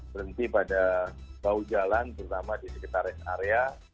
berhenti pada bahu jalan terutama di sekitar rest area